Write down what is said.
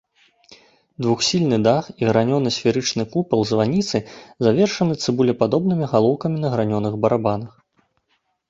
Двухсхільны дах і гранёны сферычны купал званіцы завершаны цыбулепадобнымі галоўкамі на гранёных барабанах.